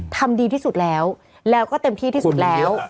ทำดีที่สุดแล้วแล้วก็เต็มที่ที่สุดแล้ว